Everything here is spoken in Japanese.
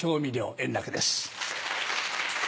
円楽です。